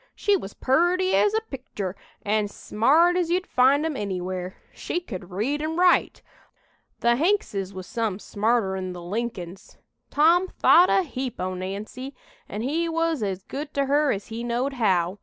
She was purty as a pictur' an' smart as you'd find 'em anywhere. She could read an' write. The Hankses was some smarter'n the Lincolns. Tom thought a heap o' Nancy, an' he was as good to her as he knowed how.